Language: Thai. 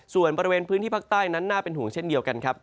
ส่วนบริเวณพื้นที่ภาคใต้นั้นน่าเป็นห่วงเช่นเดียวกันครับ